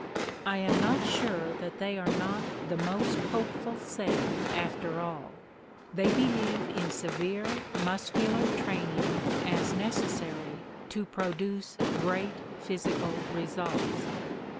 I am not sure that they are not the most hopeful set after all; they believe in severe muscular training as necessary to produce great physical results.